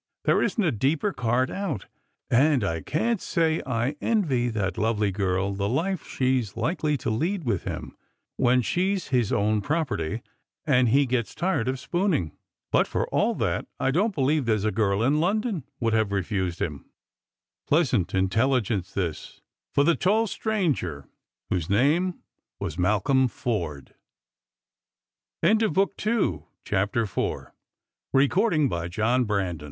There isn't a deeper card out ; and I can't say I envy that lovely girl the life she's likely to lead with him, when she's his own property and he gets tired of spooning. But for all that T don't beheve there's a girl in London would have refused him." 102 Strangers and Pilgrime. Tleasant intelligence this for the tall stranger, whose name was Malcoliu Forde. CHAPTER V. " Et je songeais comme